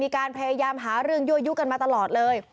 การพยายามหาเรื่องยู่กันมาตลอดเลย